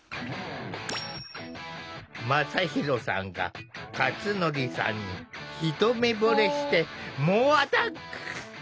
まさひろさんがかつのりさんに一目ぼれして猛アタック！